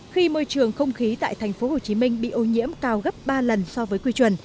khi môi trường không khí tại tp hcm bị ô nhiễm cao gấp ba lần so với quy chuẩn